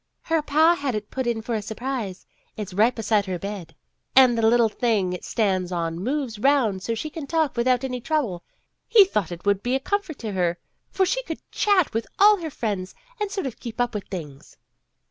"Her pa had it put in for a surprise. It's right beside her bed, and the little thing it 28 PEGGY RAYMOND'S WAY stands on moves 'round, so she can talk with out any trouble. He thought it would be a comfort to her, for she could chat with all her friends, and sort of keep up with things.